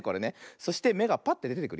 そしてめがぱってでてくるよ。